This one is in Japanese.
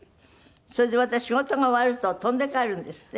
それでまた仕事が終わると飛んで帰るんですって？